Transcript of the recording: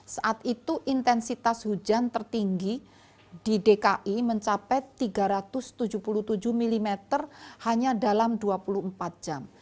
saat itu intensitas hujan tertinggi di dki mencapai tiga ratus tujuh puluh tujuh mm hanya dalam dua puluh empat jam